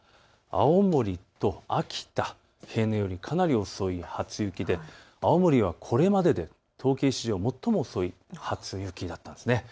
青森と秋田、平年よりかなり遅い初雪で青森はこれまでで統計史上、最も遅い初雪だったんです。